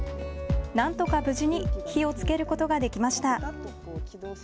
なんとか無事に火をつけることができました。